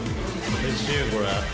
おいしい、これ。